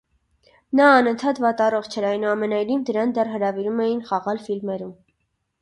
Նա անընդհատ վատառողջ էր, այնուամենայնիվ նրան դեռ հրավիրում էին խաղալ ֆիլմերում։